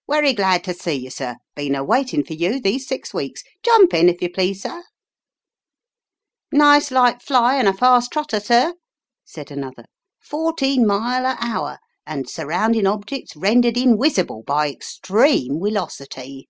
" Werry glad to see you, sir, been a waitin' for you these six weeks. Jump in, if you please, sir !" "Nice light fly and a fast trotter, sir," said another: "fourteen mile a hour, and surroundin' objects rendered inwisible by ex treme welocity